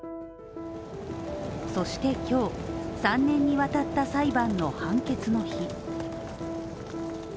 そして今日、３年にわたった裁判の判決の日。